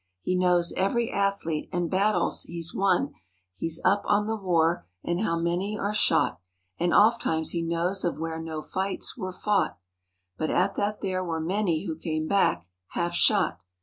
He knows every athlete, and battles he's won; He's up on the war and how many are shot. 22 And ofttimes he knows of where no fights were fought, But at that there were many who came back "half¬ shot."